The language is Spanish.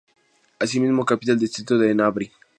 Es asimismo capital del distrito de Inambari.